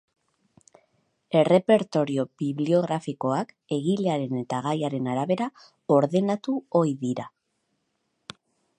Errepertorio bibliografikoak egilearen eta gaiaren arabera ordenatu ohi dira.